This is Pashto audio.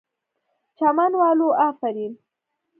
چمن والو آفرین!!